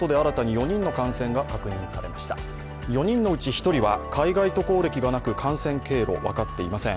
４人のうち１人は海外渡航歴がなく、感染経路が分かっていません。